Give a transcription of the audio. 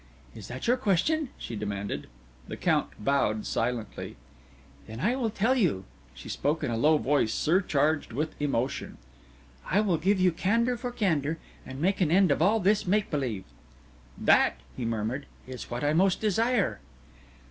"Is that your question?" she demanded. The Count bowed silently. "Then I will tell you!" She spoke in a low voice surcharged with emotion. "I will give you candour for candour, and make an end of all this make believe." "That," he murmured, "is what I most desire."